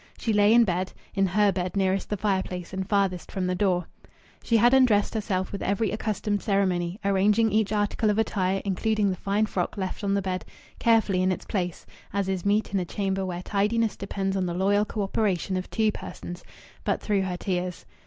She lay in bed in her bed nearest the fireplace and farthest from the door. She had undressed herself with every accustomed ceremony, arranging each article of attire, including the fine frock left on the bed, carefully in its place, as is meet in a chamber where tidiness depends on the loyal cooperation of two persons, but through her tears.